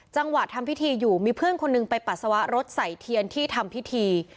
ทำพิธีอยู่มีเพื่อนคนหนึ่งไปปัสสาวะรถใส่เทียนที่ทำพิธี